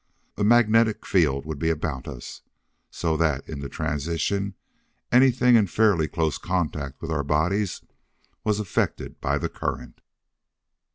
A magnetic field would be about us, so that in the transition anything in fairly close contact with our bodies was affected by the current.